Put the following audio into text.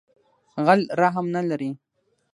غل رحم نه لری